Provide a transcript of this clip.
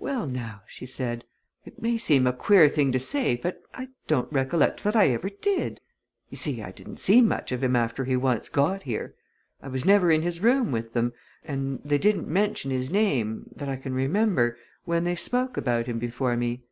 "Well, now," she said, "it may seem a queer thing to say, but I don't recollect that I ever did! You see, I didn't see much of him after he once got here. I was never in his room with them, and they didn't mention his name that I can remember when they spoke about him before me.